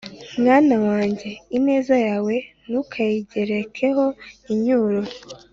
Mwana wanjye, ineza yawe ntukayigerekeho incyuro,